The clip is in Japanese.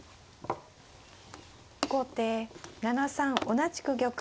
後手７三同じく玉。